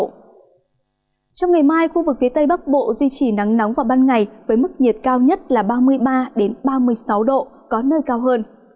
trong ngày mai khu vực phía tây bắc bộ duy trì nắng nóng vào ban ngày với mức nhiệt cao nhất là ba mươi ba ba mươi sáu độ có nơi cao hơn